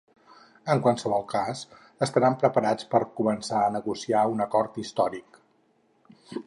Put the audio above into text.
En qualsevol cas, estaran preparats per començar a negociar un acord històric.